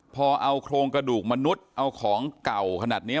พอเอาโครงกระดูกมนุษย์เอาของเก่าขนาดนี้